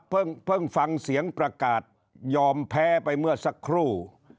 เพิ่งฟังเสียงประกาศยอมแพ้ไปเมื่อสักครู่